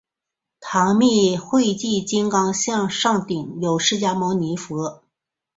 唐密秽迹金刚像上顶有释迦牟尼佛。